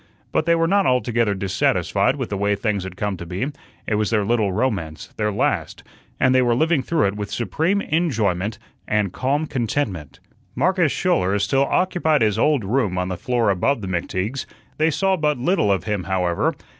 But they were not altogether dissatisfied with the way things had come to be. It was their little romance, their last, and they were living through it with supreme enjoyment and calm contentment. Marcus Schouler still occupied his old room on the floor above the McTeagues. They saw but little of him, however.